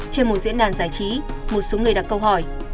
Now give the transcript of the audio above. trên một diễn đàn giải trí một số người đặt câu hỏi